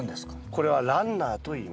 これはランナーといいます。